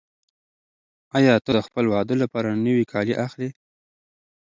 آیا ته د خپل واده لپاره نوي کالي اخلې؟